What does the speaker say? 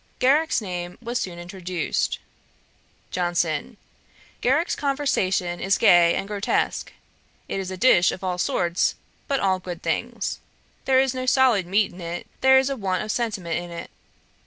Garrick's name was soon introduced. JOHNSON. 'Garrick's conversation is gay and grotesque. It is a dish of all sorts, but all good things. There is no solid meat in it: there is a want of sentiment in it.